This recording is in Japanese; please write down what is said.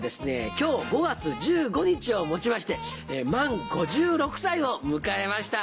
今日５月１５日をもちまして満５６歳を迎えました